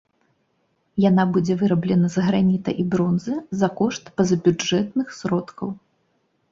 Яна будзе выраблена з граніта і бронзы за кошт пазабюджэтных сродкаў.